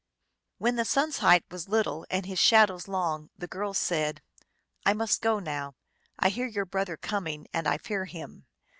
When the sun s height was little and his shadows long, the girl said, "I must go now. I hear your brother coming, and I fear him.